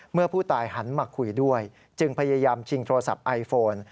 เมื่อผู้ตายหันมาคุยด้วยจึงพยายามชิงโทรศัพท์ไอโฟน